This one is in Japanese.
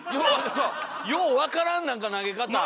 よう分からん何か投げ方！